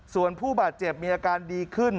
ส่วนผู้บาดเจ็บมีอาการดีขึ้น